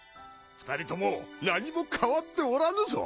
２人とも何も変わっておらぬぞ。